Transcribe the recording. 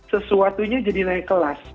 sesuatunya jadi naik kelas